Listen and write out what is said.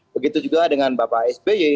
begitu juga dengan bapak sby